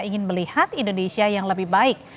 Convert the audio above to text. ingin melihat indonesia yang lebih baik